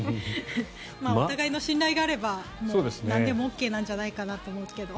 お互いの信頼があればなんでもＯＫなんじゃないかなって思うけど。